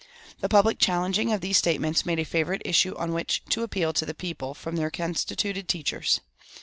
The public challenging of these statements made a favorite issue on which to appeal to the people from their constituted teachers.